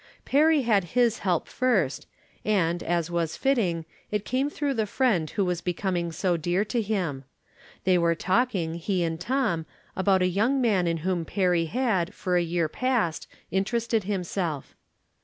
Perry had his help first, and, as was fitting, it came through the friend who was becoming so dear to him. They were talking, he and Tom, about a young man in whom Perry had, for a year past, interested himself.